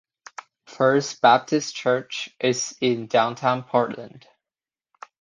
First Baptist Church is in Downtown Portland.